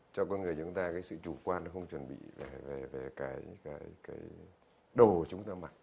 cho con người chúng ta cái sự chủ quan không chuẩn bị về cái đồ chúng ta mặc